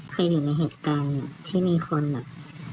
เคยอยู่ในเหตุการณ์ที่มีคนแบบ